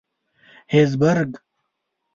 هېزبرګ.